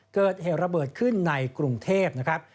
เกิดเหตุระเบิดขึ้นในกรุงเทพนะครับ